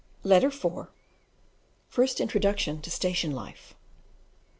Letter IV: First introduction to "Station life."